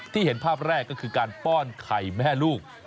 เห็นภาพแรกก็คือการป้อนไข่แม่ลูก